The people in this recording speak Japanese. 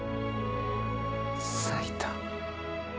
咲いた。